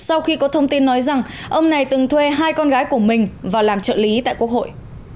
sau khi có thông tin nói rằng ông này từng thuê hai con gái của mình vào làm trợ lý tại quốc hội